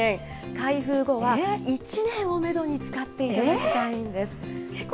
開封後は１年をメドに使っていただきたいんです。